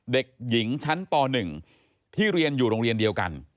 เด็กหญิงชั้นป๑ที่เรียนอยู่โรงเรียนเดียวกัน